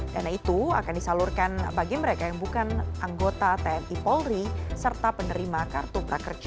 dana itu akan disalurkan bagi mereka yang bukan anggota tni polri serta penerima kartu prakerja